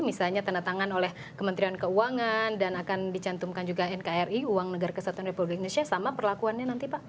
misalnya tanda tangan oleh kementerian keuangan dan akan dicantumkan juga nkri uang negara kesatuan republik indonesia sama perlakuannya nanti pak